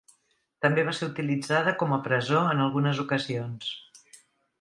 També va ser utilitzada com a presó en algunes ocasions.